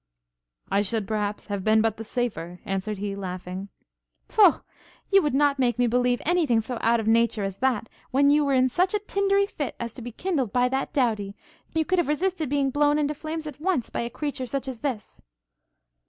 'I should, perhaps, have been but the safer!' answered he, laughing. 'Pho! you would not make me believe any thing so out of nature, as that, when you were in such a tindery fit as to be kindled by that dowdy, you could have resisted being blown into flames at once by a creature such as this?'